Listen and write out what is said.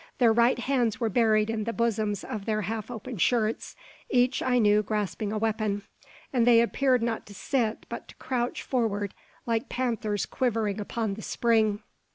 Their right hands were buried in the bosoms of their half open shirts, each, I knew, grasping a weapon; and they appeared not to sit, but to crouch forward, like panthers quivering upon the spring.